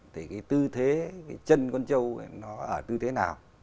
thì cái tư thế cái chân con trâu nó ở tư thế nào